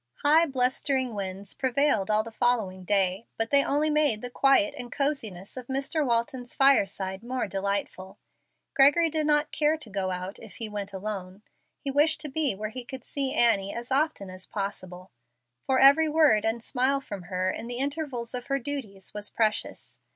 High, blustering winds prevailed all the following day, but they only made the quiet and cosiness of Mr. Walton's fireside more delightful. Gregory did not care to go out if he went alone. He wished to be where he could see Annie as often as possible, for every word and smile from her in the intervals of her duties was precious.